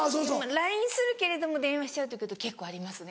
ＬＩＮＥするけれども電話しちゃうこと結構ありますね。